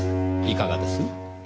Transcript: いかがです？